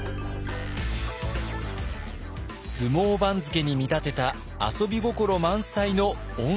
相撲番付に見立てた遊び心満載の温泉番付。